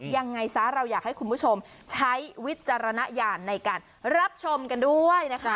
ยังไงซะเราอยากให้คุณผู้ชมใช้วิจารณญาณในการรับชมกันด้วยนะคะ